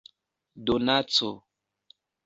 donaco